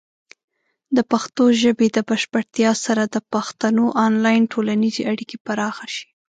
د پښتو ژبې د بشپړتیا سره، د پښتنو آنلاین ټولنیزې اړیکې پراخه شي.